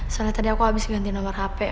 soalnya tadi aku habis ganti nomor hp